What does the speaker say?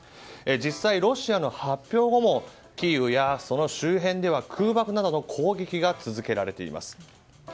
実際、ロシアの発表後もキーウやその周辺では空爆などの攻撃が続けられています。